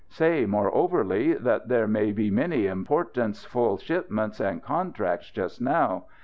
Say, moreoverly, that there be many importanceful shipments and contracts just now.